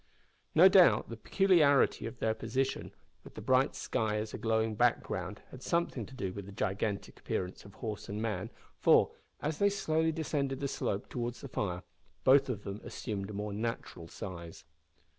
No doubt the peculiarity of their position, with the bright sky as a glowing background, had something to do with the gigantic appearance of horse and man, for, as they slowly descended the slope towards the fire, both of them assumed a more natural size.